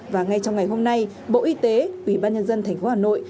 và ngay trong ngày hôm nay bộ y tế ủy ban nhân dân tp hà nội